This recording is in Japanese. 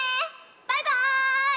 バイバーイ！